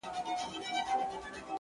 ګلان راوړه سپرلیه له مودو مودو راهیسي,